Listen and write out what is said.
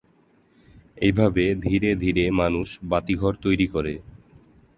এইভাবে ধীরে ধীরে মানুষ বাতিঘর তৈরি করে।